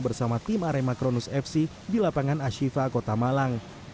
bersama tim arema kronus fc di lapangan ashifa kota malang